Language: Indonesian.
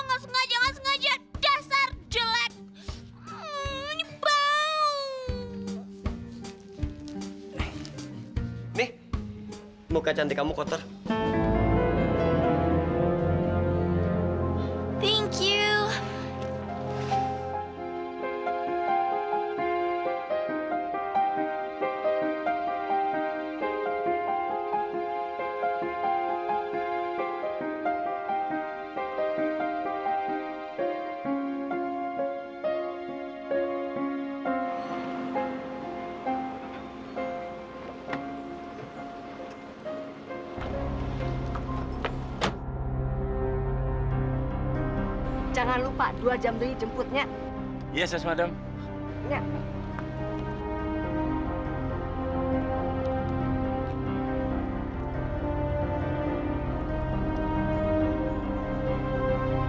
oh nggak sengaja nggak sengaja dasar jelek